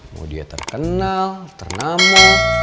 mau dia terkenal ternama